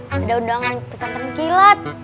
ada undangan pesantren kilat